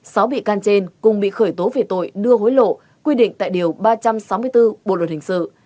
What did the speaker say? sáu bị can trên cùng bị khởi tố về tội đưa hối lộ quy định tại điều ba trăm sáu mươi bốn bộ luật hình sự